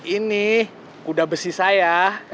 ini kuda besi saya